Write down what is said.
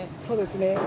そうですね。